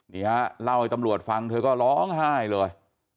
นี่ฮะเล่าให้ตำรวจฟังเธอก็ร้องไห้เลย